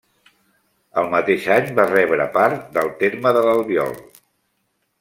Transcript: El mateix any va rebre part del terme de l'Albiol.